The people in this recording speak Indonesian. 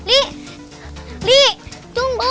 li li tunggu